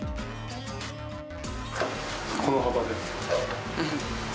この幅で。